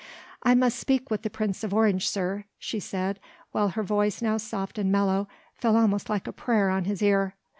"I must speak with the Prince of Orange, sir," she said while her voice now soft and mellow fell almost like a prayer on his ear.